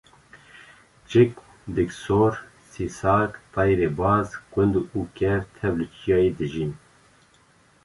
çik, dîksor, sîsark, teyrê baz, kund û kew tev li çiyayê dijîn